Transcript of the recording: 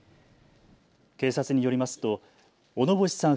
警察によりますと小野星さん